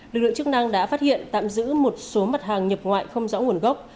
lực lượng chức năng đã phát hiện tạm giữ một số mặt hàng nhập ngoại không rõ nguồn gốc